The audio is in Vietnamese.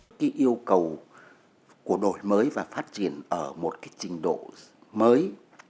cái yêu cầu của đội mới và phát triển ở một cái trình độ mới